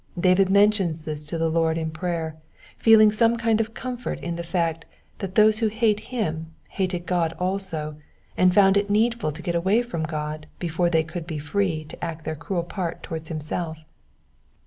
David mentions this to the Lord in prayer, feeling some kind of comfort in the fact that those who hated him hated Qod also, and found it needful to get away from God before they could be free to act their cruel part towards himself.